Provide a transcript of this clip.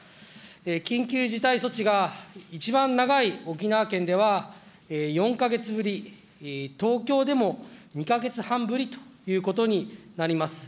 緊急事態措置が一番長い沖縄県では４か月ぶり、東京でも２か月半ぶりということになります。